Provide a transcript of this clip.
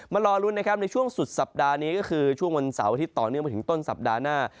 รอลุ้นนะครับในช่วงสุดสัปดาห์นี้ก็คือช่วงวันเสาร์อาทิตย์ต่อเนื่องมาถึงต้นสัปดาห์หน้า